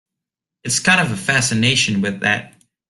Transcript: It's kind of a fascination with that.